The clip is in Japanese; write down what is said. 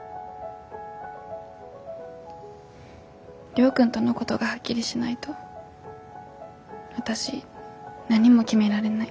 亮君とのごどがはっきりしないと私何も決められない。